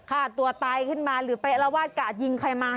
ฆ่าตัวตายขึ้นมาหรือไปอารวาสกะยิงใครมา